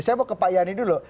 saya mau ke pak yani dulu